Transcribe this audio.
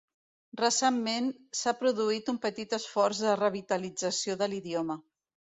Recentment s'ha produït un petit esforç de revitalització de l'idioma.